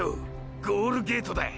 ゴールゲートだ！